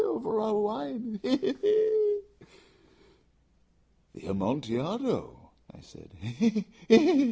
he! over our wine he! he! he!" "The Amontillado!" I said.